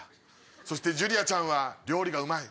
そしてジュリアちゃんは料理がうまい。